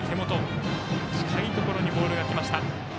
そこに近いところにボールが来ました。